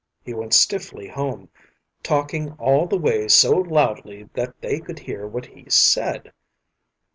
He went stiffly home, talking all the way so loudly that they could hear what he said.